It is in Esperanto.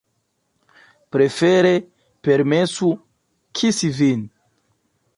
Prefere permesu kisi vin.